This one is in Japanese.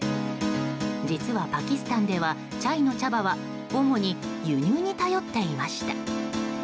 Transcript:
実はパキスタンではチャイの茶葉は主に輸入に頼っていました。